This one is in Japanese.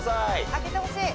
開けてほしい。